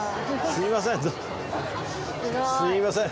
すみません。